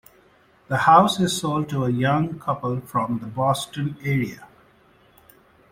The house is sold to a young couple from the Boston area.